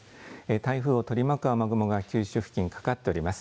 台風を取り巻く雨雲が九州付近かかっております。